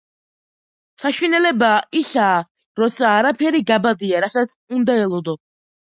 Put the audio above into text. "საშინელება ისაა, როცა არაფერი გაბადია, რასაც უნდა ელოდო.”